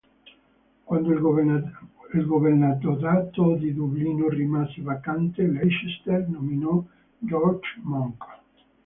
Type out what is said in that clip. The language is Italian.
Quando il governatorato di Dublino rimase vacante, Leicester nominò George Monck.